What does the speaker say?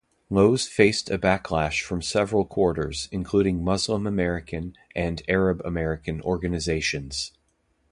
Lowe's faced a backlash from several quarters, including Muslim-American and Arab-American organizations.